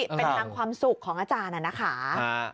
เป็นทางความสุขของอาจารย์นะคะ